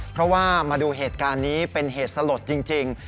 เพราะว่ามาดูเหตุการณ์นี้เป็นเหตุสลดจริง